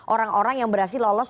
orang orang yang berhasil lolos